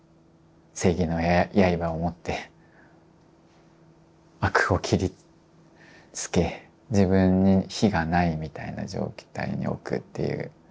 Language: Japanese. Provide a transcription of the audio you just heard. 正義の刃を持って悪を切りつけ自分に非がないみたいな状態に置くっていう。